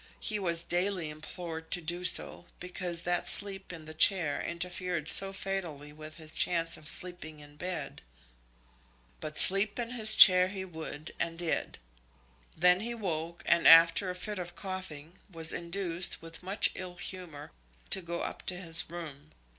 He was daily implored to do so, because that sleep in the chair interfered so fatally with his chance of sleeping in bed. But sleep in his chair he would and did. Then he woke, and after a fit of coughing, was induced, with much ill humour, to go up to his room.